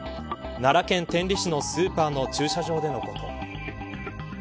奈良県天理市のスーパーの駐車場でのこと。